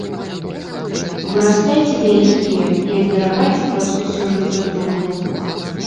Вырастайце вялікія і аберагайце праз усё жыццё дружбу.